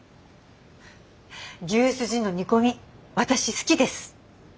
牛すじの煮込み私好きです。